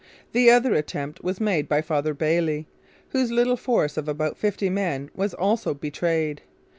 The other attempt was made by Father Bailly, whose little force of about fifty men was also betrayed.